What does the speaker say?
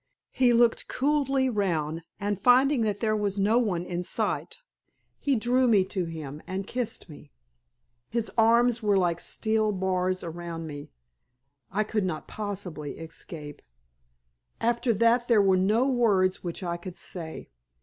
He looked coolly round, and finding that there was no one in sight, he drew me to him and kissed me. His arms were like steel bars around me, I could not possibly escape. After that there were no words which I could say.